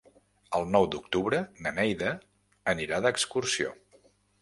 El nou d'octubre na Neida anirà d'excursió.